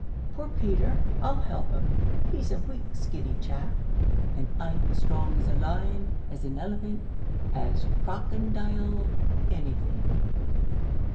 "Poor Peter, I'll help him he's a weak skinny chap, and I'm strong as a lion as a elephant as a crokindile anything!